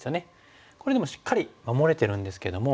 これでもしっかり守れてるんですけども。